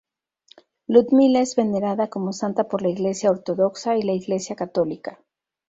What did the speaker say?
Ludmila es venerada como santa por la Iglesia ortodoxa y la Iglesia católica.